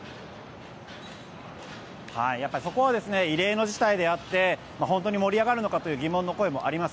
そこは異例の事態であって本当に盛り上がるのかという疑問の声もあります。